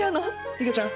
いげちゃん